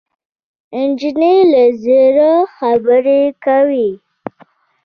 نجلۍ له زړه خبرې کوي.